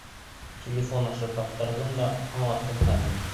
Телефон аша таптырҙым да аңлаттым хәлде.